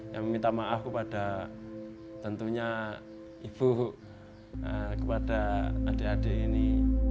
yang meminta maaf kepada tentunya ibu kepada adik adik ini